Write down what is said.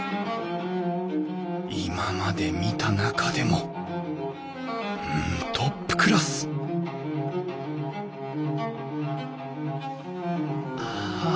今まで見た中でもうんトップクラスああ